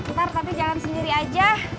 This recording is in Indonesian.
ntar tapi jalan sendiri aja